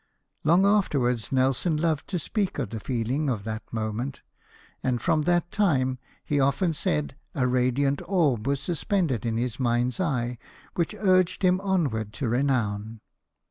'" Long afterwards Nelson loved to speak of the feeling of that moment : and from that time, he often said, a radiant orb was suspended in his mind's eye, which urged him onward to renown.